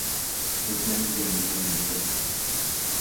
Its main theme is women in prison.